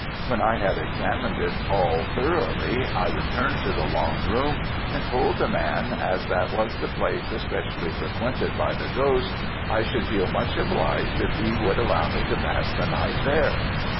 When I had examined it all thoroughly, I returned to the long room and told the man, as that was the place especially frequented by the ghost, I should feel much obliged if he would allow me to pass the night there.